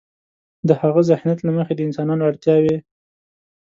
د هاغه ذهنیت له مخې د انسانانو اړتیاوې.